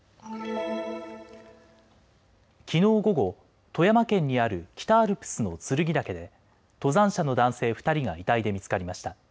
きのう午後、富山県にある北アルプスの剱岳で登山者の男性２人が遺体で見つかりました。